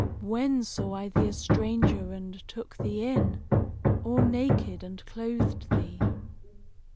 When saw I thee a stranger, and took thee in? Or naked, and clothed thee?